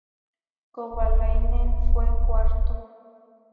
Kovalainen fue cuarto.